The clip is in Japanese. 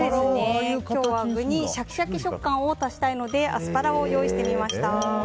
今日は具にシャキシャキ食感を足したいのでアスパラを用意してみました。